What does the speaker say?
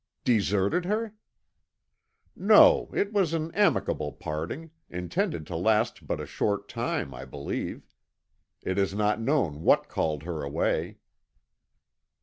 "Deserted her?" "No; it was an amicable parting, intended to last but a short time, I believe. It is not known what called her away."